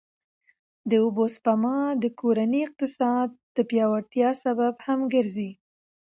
د اوبو سپما د کورني اقتصاد د پیاوړتیا سبب هم ګرځي.